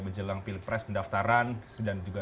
menjelang pilpres pendaftaran dan juga